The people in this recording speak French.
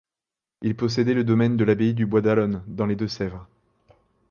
Il possédait le domaine de l'abbaye du Bois d'Allonne, dans les Deux-Sèvres.